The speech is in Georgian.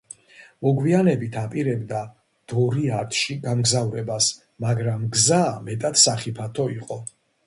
მოგვიანებით აპირებდა დორიათში გამგზავრებას, მაგრამ გზა მეტად სახიფათო იყო.